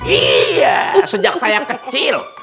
iya sejak saya kecil